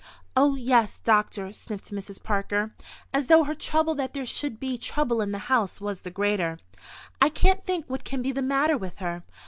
"Oh, yes, doctor," sniffed Mrs. Parker, as though her trouble that there should be trouble in the house was the greater. "I can't think what can be the matter with her.